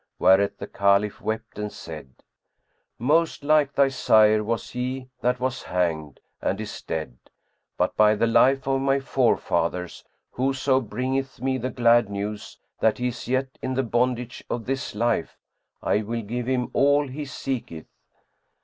Whereat the Caliph wept and said, "Most like thy sire was he that was hanged and is dead; but by the life of my forefathers, whoso bringeth me the glad news that he is yet in the bondage of this life, I will give him all he seeketh!"